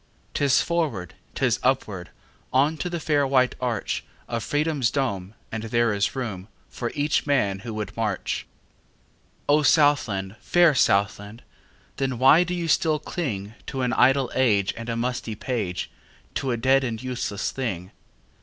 'Tis forward, 'tis upward, On to the fair white archOf Freedom's dome, and there is roomFor each man who would march.O Southland, fair Southland! Then why do you still clingTo an idle age and a musty page, To a dead and useless thing?